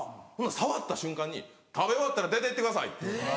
触った瞬間に「食べ終わったら出てってください」。